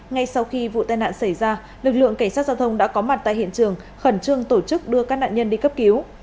ngay sau khi vụ tai nạn xảy ra lực lượng cảnh sát giao thông đã có mặt tại hiện trường khẩn trương tổ chức đưa các nạn nhân đi cấp cứu